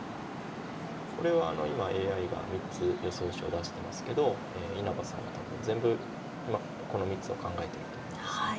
これは今ＡＩが３つ予想手を出してますけど稲葉さんは多分全部この３つを考えてると思いますね。